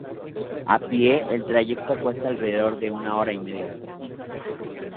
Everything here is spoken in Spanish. A pie, el trayecto cuesta alrededor de una hora y media.